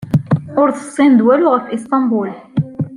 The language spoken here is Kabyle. Ur tessineḍ walu ɣef Isṭanbul.